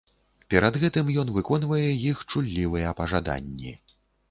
Перад гэтым ён выконвае іх чуллівыя пажаданні.